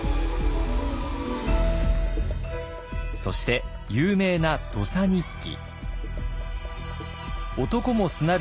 そして有名な「土佐日記」。